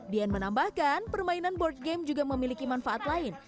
dian menambahkan permainan board game juga memiliki manfaat lain